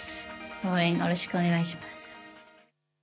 応援よろしくお願いします。